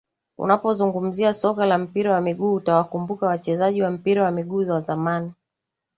unapozungumzia soka la mpira wa miguu utawakumbuka wachezaji wa mpira wa miguu wa zamani